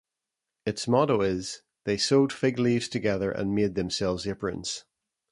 Its motto is "They Sewed Fig Leaves Together and Made Themselves Aprons".